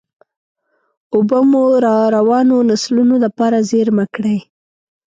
اوبه مو راروانو نسلونو دپاره زېرمه کړئ.